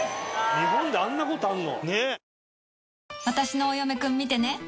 日本であんな事あんの？